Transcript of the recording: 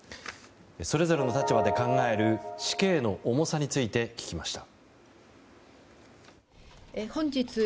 それぞれの立場で考える死刑の重さについて聞きました。